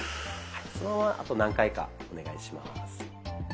そのままあと何回かお願いします。